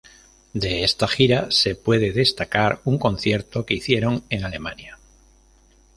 De esta gira se puede destacar un concierto que hicieron en Alemania.